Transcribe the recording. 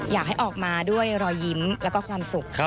อยากให้ออกมาด้วยรอยยิ้มแล้วก็ความสุข